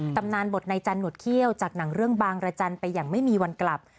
ตำนานบทนายจันทหวดเขี้ยวจากหนังเรื่องบางระจันทร์ไปอย่างไม่มีวันกลับ